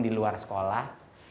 di luar sekolah